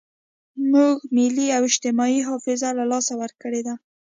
موږ ملي او اجتماعي حافظه له لاسه ورکړې ده.